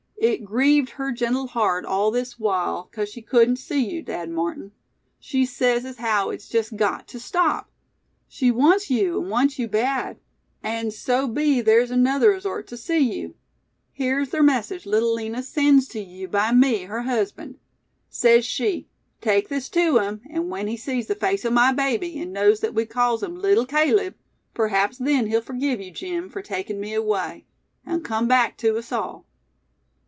"It grieved her gentle heart all this while 'cause she cudn't see yeou, Dad Martin. She sez as haow it's jest gut tew stop! She wants yeou, and wants yeou bad. An' so be they's another as ort tew see yeou. Here's ther message Little Lina sends tew yeou by me, her husband. Sez she, 'take this tew him, an' when he sees the face o' my baby and knows thet we calls him Leetle Caleb, p'raps then he'll forgive yeou, Jim, fur takin' me away; an' come back tew us all.